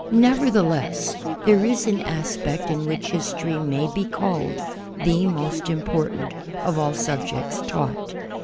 Nevertheless, there is an aspect in which history may be called the most important of all subjects taught.